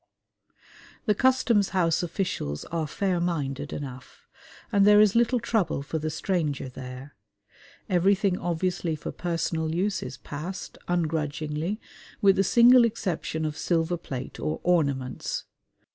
The Customs House officials are fair minded enough, and there is little trouble for the stranger there. Everything obviously for personal use is "passed" ungrudgingly with the single exception of silver plate or ornaments.